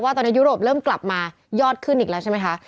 ตอนนี้ยุโรปเริ่มกลับมายอดขึ้นอีกแล้วใช่ไหมคะ